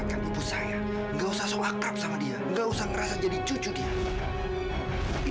kamu bisa akrab dengan cucu ibu